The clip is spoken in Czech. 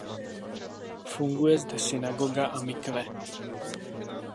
Funguje zde synagoga a mikve.